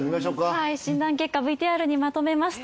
はい。診断結果ＶＴＲにまとめました。